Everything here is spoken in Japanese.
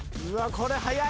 これ速いで。